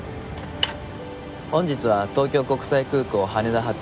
本日は東京国際空港羽田発